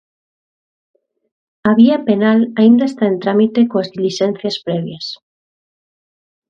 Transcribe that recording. A vía penal aínda está en trámite coas dilixencias previas.